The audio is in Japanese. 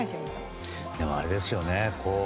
でも、あれですよね。